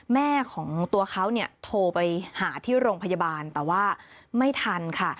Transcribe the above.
แม่ของตัวเขาเนี่ยโทรไปหาที่โรงพยาบาลแต่ว่าไม่ทันค่ะ